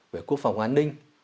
về quốc phòng an ninh